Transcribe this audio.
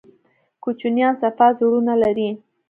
کوچنیان صفا زړونه لري